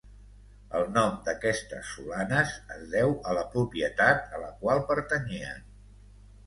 El nom d'aquestes solanes es deu a la propietat a la qual pertanyien.